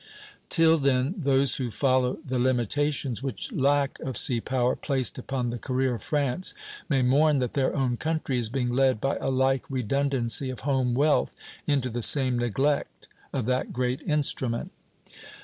Till then, those who follow the limitations which lack of sea power placed upon the career of France may mourn that their own country is being led, by a like redundancy of home wealth, into the same neglect of that great instrument.